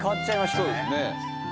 そうですね